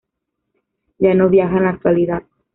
Ya no viaja en la actualidad.